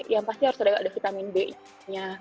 yang pasti harus ada vitamin b nya